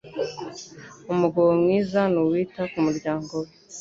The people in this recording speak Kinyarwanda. umugabo mwiza nuwita kumuryango we